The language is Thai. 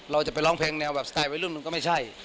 เราจะไปร้องเพลงแนวแบบสไตล์วัยรุ่นมันก็ไม่ใช่